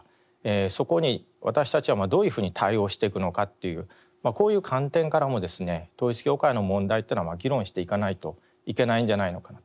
そこに私たちはどういうふうに対応していくのかっていうこういう観点からもですね統一教会の問題っていうのは議論していかないといけないんじゃないのかなと。